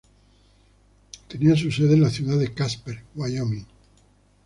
Tenía su sede en la ciudad de Casper, Wyoming.